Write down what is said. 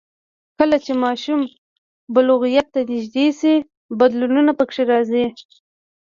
کله چې ماشوم بلوغیت ته نږدې شي، بدلونونه پکې راځي.